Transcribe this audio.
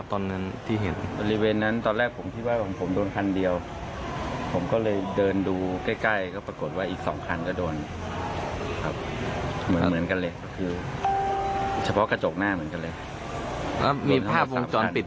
พอแรกผมที่ว่าผมโดนคันเดียวผมก็เลยเดินดูใกล้ปรากฏว่าอีก๒คันก็โดน